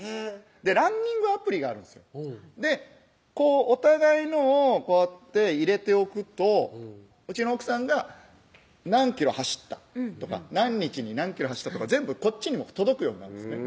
ランニングアプリがあるんですよでお互いのをこうやって入れておくとうちの奥さんが何ｋｍ走ったとか何日に何ｋｍ走ったとか全部こっちにも届くようになるんですね